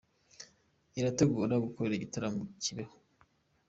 irategura gukorera igitaramo i Kibeho